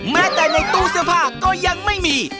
แม้แต่ในตู้เสื้อผ้าก็ยังไม่มี